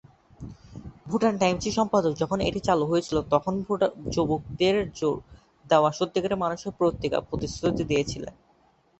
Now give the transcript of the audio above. ভুটান টাইমসের সম্পাদক যখন এটি চালু হয়েছিল, তখন "যুবকদের জোর দেয়া সত্যিকারের মানুষের পত্রিকা" প্রতিশ্রুতি দিয়েছিলেন।